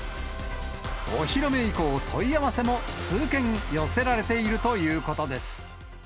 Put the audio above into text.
お披露目以降、問い合わせも数件、寄せられているということです。